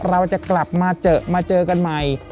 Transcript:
เราจะกลับมาเจอมาเจอกันใหม่